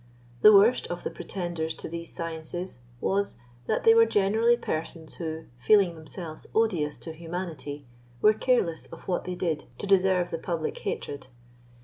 The worst of the pretenders to these sciences was, that they were generally persons who, feeling themselves odious to humanity, were careless of what they did to deserve the public hatred.